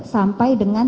sampai dengan tiga tiga